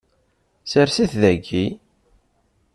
Sres-it daki.